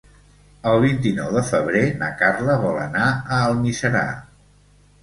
El vint-i-nou de febrer na Carla vol anar a Almiserà.